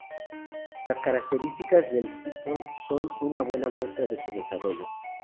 Las características del Typhoon son una buena muestra de su desarrollo.